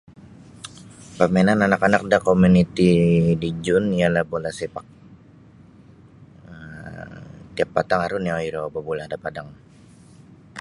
Permainan anak-anak da komuniti dijun ialah bula sepak um tiap patang aru nio iro babula' da padang.